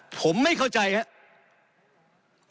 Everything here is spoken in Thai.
ผมไม่เข้าใจครับ